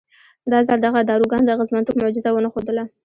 دا ځل دغه داروګان د اغېزمنتوب معجزه ونه ښودله.